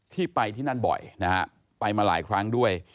ที่ไปที่นั่นบ่อยนะฮะไปมาหลายครั้งด้วย